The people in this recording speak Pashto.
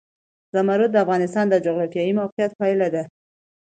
زمرد د افغانستان د جغرافیایي موقیعت پایله ده.